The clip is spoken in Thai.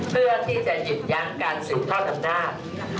เพื่อที่จะหยุดยั้งการสืบทอดอำนาจ